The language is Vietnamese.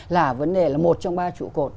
là vấn đề là một trong ba trụ cột